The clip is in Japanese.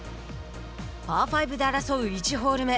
パー５で争う１ホール目。